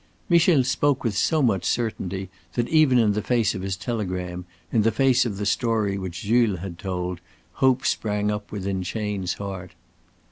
Michel spoke with so much certainty that even in the face of his telegram, in the face of the story which Jules had told, hope sprang up within Chayne's heart.